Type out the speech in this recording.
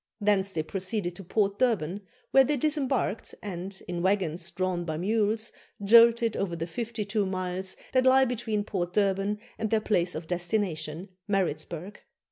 Thence they proceeded to Port Durban, where they disembarked, and, in waggons drawn by mules, jolted over the fifty two miles that lie between Port Durban and their place of destination, Maritzburg.